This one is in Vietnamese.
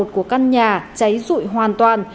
của căn nhà cháy rụi hoàn toàn